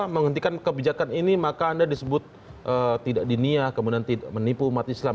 menghentikan kebijakan ini maka anda disebut tidak dinia kemudian menipu umat islam